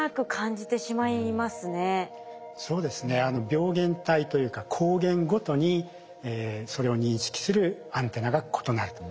病原体というか抗原ごとにそれを認識するアンテナが異なると。